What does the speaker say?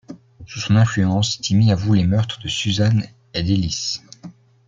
Sous son influence, Timmy avoue les meurtres de Susanne et d'Ellis.